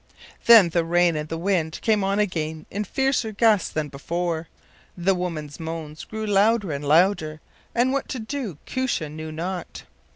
Then the rain and the wind came on again in fiercer gusts than before; the woman’s moans grew louder and louder, and what to do Koosje knew not.